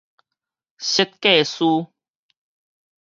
設計師